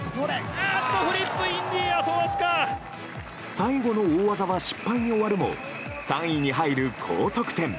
最後の大技は失敗に終わるも３位に入る高得点。